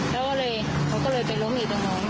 แล้วเขาก็เลยไปล้มอีกตรงนี้